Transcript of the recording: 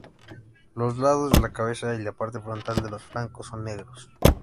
Los lados de la cabeza y la parte frontal de los flancos son negros.